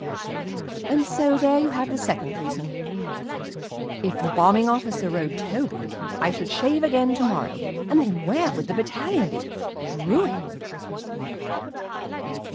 And so there you have the second reason. If the Bombing Officer rode Toby, I should shave again to morrow, and then where would the Battalion be? Ruined.